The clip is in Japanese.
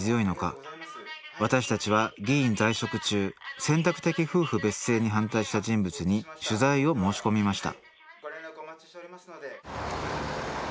私たちは議員在職中選択的夫婦別姓に反対した人物に取材を申し込みました